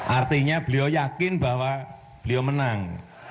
artinya beliau yakin bahwa beliau menang